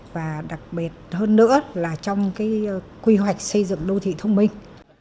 và đặc biệt hơn nữa là trong cái quy hoạch xây dựng đô thịnh